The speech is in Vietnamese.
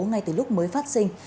ngay từ lúc mới phát sinh